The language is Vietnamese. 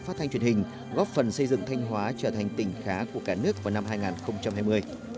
phát thanh truyền hình góp phần xây dựng thanh hóa trở thành tỉnh khá của cả nước vào năm hai nghìn hai mươi